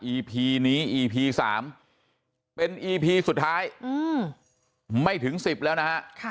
พีนี้อีพี๓เป็นอีพีสุดท้ายไม่ถึง๑๐แล้วนะฮะ